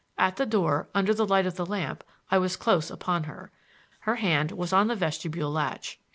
At the door, under the light of the lamp, I was close upon her. Her hand was on the vestibule latch.